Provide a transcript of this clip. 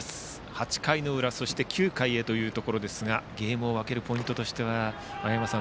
８回の裏、そして９回へというところですがゲームを分けるポイントとしては青山さん